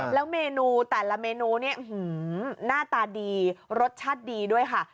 แล้วเมนูแต่ละเมนูเนี่ยหน้าตาดีรสชาติดีด้วยค่ะ